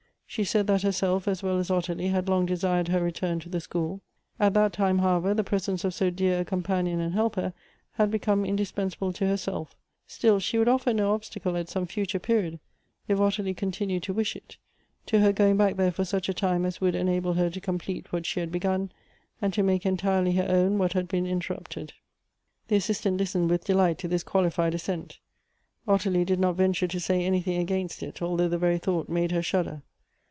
She said that herself, as well as Ottilie, had long desired her return to the school. At that time, however, the pres ence of so dear a companion and helper had become indispensable to herself; still she would ofier no obstacle jit some future period, if Ottilie continued to wish it, to her going back there for such a time as would enable her to complete what she had begun, and to make entirely her own what had been interrupted. Electivk Affinities. 22o The Assistant listened with delight to this qualified assent. Ottilie did not venture to say anything against it, although the very thought made her shudder.